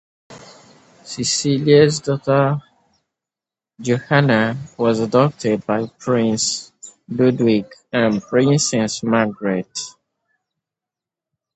Cecilie's daughter Johanna was adopted by Prince Ludwig and Princess Margaret.